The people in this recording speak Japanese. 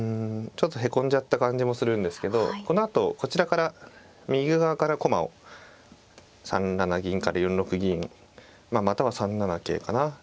ちょっとへこんじゃった感じもするんですけどこのあとこちらから右側から駒を３七銀から４六銀まあまたは３七桂かな。